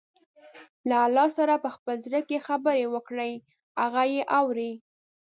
له الله سره په خپل زړه کې خبرې وکړئ، هغه يې اوري.